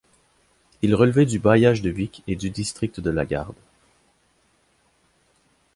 Il relevait du bailliage de Vic et du district de Lagarde.